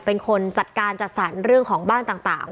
เป็นคนจัดการจัดสรรเรื่องของบ้านต่าง